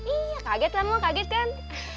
iya kaget lah emang kaget kan